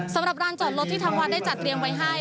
สำหรับร้านจอดรถที่ทางวัดได้จัดเตรียมไว้ให้